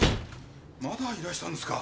まだいらしたんですか。